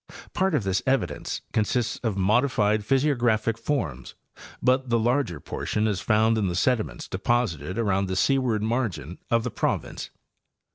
Part of this evidence consists of modified physiographic forms, but the larger portion is found in the sediments deposited around the seaward margin of the province.